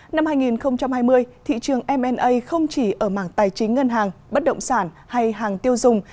năm hai nghìn hai mươi thị trường m a không chỉ ở mảng tài chính ngân hàng bất động sản hay hàng tiêu dùng